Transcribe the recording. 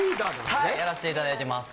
はいやらせていただいてます。